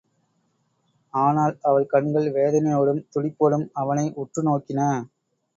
ஆனால் அவள் கண்கள் வேதனையோடும் துடிப்போடும் அவனை உற்று நோக்கின.